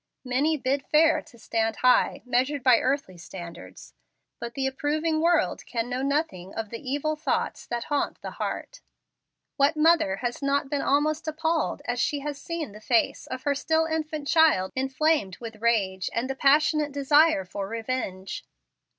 Many bid fair to stand high, measured by earthly standards. But the approving world can know nothing of the evil thoughts that haunt the heart. What mother has not been almost appalled as she has seen the face of her still infant child inflamed with rage and the passionate desire for revenge?